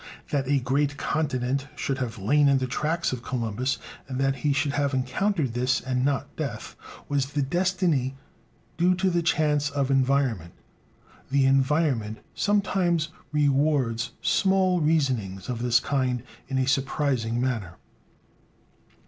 That a great continent should have lain in the track of Columbus, and that he should have encountered this and not death, was the destiny due to the chance of environment. The environment sometimes rewards "small reasonings" of this kind in a surprising manner.